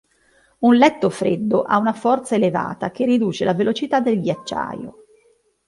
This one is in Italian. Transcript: Un letto freddo ha una forza elevata, che riduce la velocità del ghiacciaio.